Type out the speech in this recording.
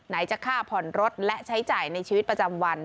จะค่าผ่อนรถและใช้จ่ายในชีวิตประจำวัน